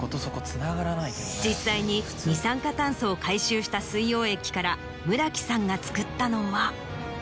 実際に二酸化炭素を回収した水溶液から村木さんが作ったのは。